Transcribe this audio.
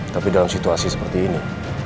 tapi dalam situasi seperti ini